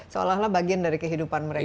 seolah olah bagian dari kehidupan mereka